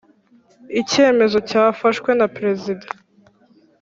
Icyemezo cyafashwe na perezida.